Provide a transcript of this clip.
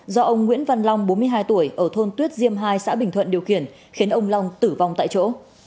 đoạn long bốn mươi hai tuổi ở thôn tuyết diêm hai xã bình thuận điều khiển khiến ông long tử vong tại chỗ